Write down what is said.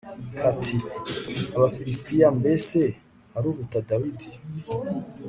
kati abafilisitiya mbese haruruta dawidi